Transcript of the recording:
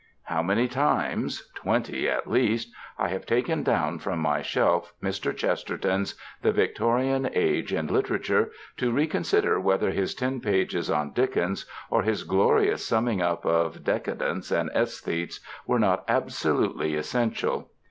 How many times twenty at least I have taken down from my shelf Mr. Chesterton's The Victorian Age in Literature to reconsider whether his ten pages on Dickens, or his glorious summing up of Decadents and Æsthetes, were not absolutely essential.